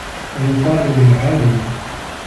وَيُقَالُ لِلْعَالِمِ